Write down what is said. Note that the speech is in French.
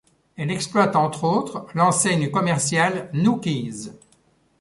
Elle exploite entre autres l'enseigne commerciale Noukie's.